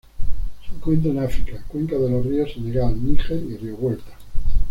Se encuentran en África: cuencas de los ríos Senegal, Níger y río Vuelta.